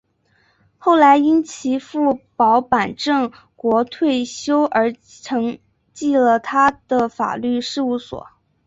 后来因其父保坂正国退休而承继了他的法律事务所。